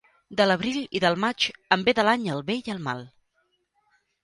De l'abril i del maig en ve de l'any el bé i el mal.